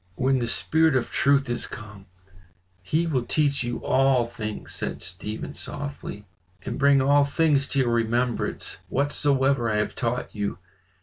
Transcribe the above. "When the spirit of truth is come he will teach you all things," said Stephen softly. "'And bring all things to your remembrance, whatsoever I have taught you.